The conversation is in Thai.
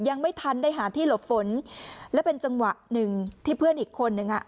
ยังไม่ทันได้หาที่หลบฝนและเป็นจังหวะหนึ่งที่เพื่อนอีกคนนึงอ่ะ